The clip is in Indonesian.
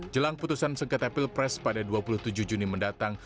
jelang putusan sengketa pilpres pada dua puluh tujuh juni mendatang